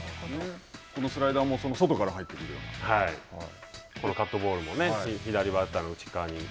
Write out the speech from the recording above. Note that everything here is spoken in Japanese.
このスライダーも外から入ってこのカットボールもね、左バッターの内側に。